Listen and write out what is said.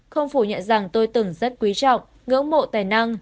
không phủ nhận rằng tôi từng rất quý trọng ngưỡng mộ tài năng